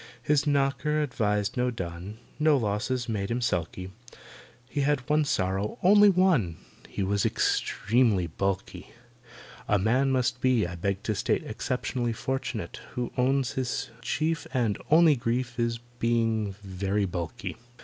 His knocker advertised no dun, No losses made him sulky, He had one sorrow—only one— He was extremely bulky. A man must be, I beg to state, Exceptionally fortunate Who owns his chief And only grief Is—being very bulky.